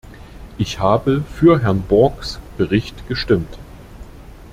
Ich habe für Herrn Broks Bericht gestimmt.